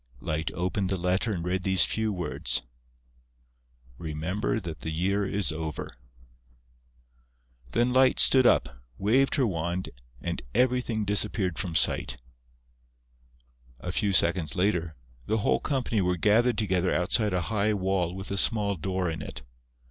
Light opened the letter and read these few words: "Remember that the year is over." Then Light stood up, waved her wand and everything disappeared from sight. A few seconds later, the whole company were gathered together outside a high wall with a small door in it.